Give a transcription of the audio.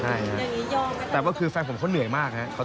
ใจจริงแปลก็คืออยากจะมีสัก๒คนครับผม